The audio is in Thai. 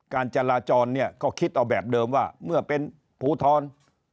การจราจรเนี่ยก็คิดเอาแบบเดิมว่าเมื่อเป็นภูทร